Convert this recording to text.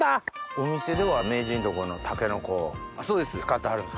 お店では名人とこのタケノコを使ってはるんですか？